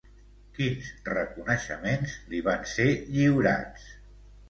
Quins reconeixements li van ser lliurats?